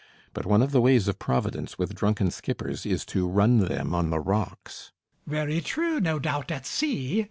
But one of the ways of Providence with drunken skippers is to run them on the rocks. MAZZINI. Very true, no doubt, at sea.